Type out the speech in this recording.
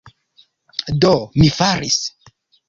Do, mi faris.